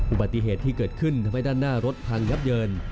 อุบัติเหตุที่เกิดขึ้นทำให้ด้านหน้ารถพังยับเยิน